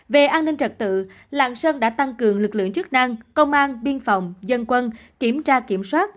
về an ninh trật tự lạng sơn đã tăng cường lực lượng chức năng công an biên phòng dân quân kiểm tra kiểm soát